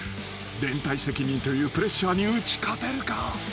［連帯責任というプレッシャーに打ち勝てるか？］